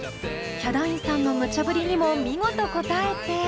ヒャダインさんのむちゃ振りにも見事応えて。